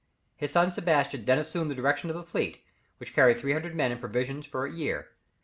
His son Sebastian then assumed the direction of the fleet, which carried 300 men and provisions for a year.